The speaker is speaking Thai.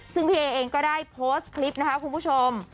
ซึ่งพี่เอเองก็ได้โพสต์คลิปนะคะคุณผู้ชม